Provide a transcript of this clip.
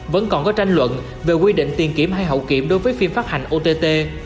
vẫn còn có tranh luận về quy định tiền kiểm hay hậu kiểm đối với phim phát hành ott